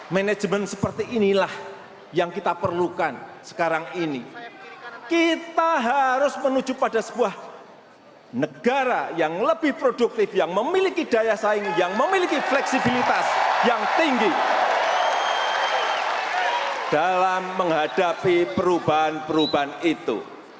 manajemen seperti inilah yang kita perlukan sekarang ini kita harus menuju pada sebuah negara yang lebih produktif yang memiliki daya saing yang memiliki fleksibilitas yang tinggi dalam menghadapi perubahan perubahan itu